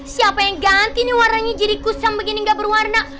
siapa ya ganti nih warnanya jadi kusam begini gak berwarna